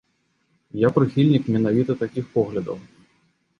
Я прыхільнік менавіта такіх поглядаў.